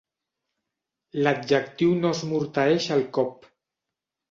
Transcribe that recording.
L'adjectiu no esmorteeix el cop.